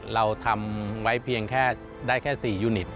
เราทำไว้เพียงแค่ได้แค่๔ยูนิต